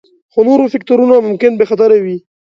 خو نور فکتورونه ممکن بې خطره وي